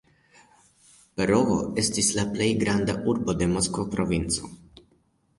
Perovo estis la plej granda urbo de Moskva provinco.